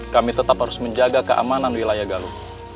kami tetap harus menjaga keamanan wilayah galuh